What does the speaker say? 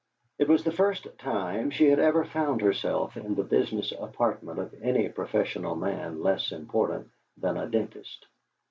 It was the first time she had ever found herself in the business apartment of any professional man less important than a dentist.